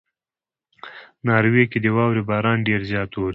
ناروې کې د واورې باران ډېر زیات اوري.